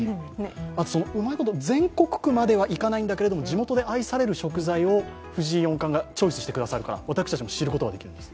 うまいこと、全国区まではいかないんだけれども地元で愛される食材を藤井四冠がチョイスしてくださるから、私たちも知ることができるんです。